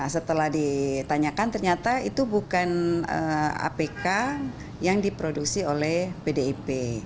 setelah ditanyakan ternyata itu bukan apk yang diproduksi oleh pdip